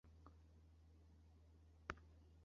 长柄粉条儿菜为百合科粉条儿菜属下的一个种。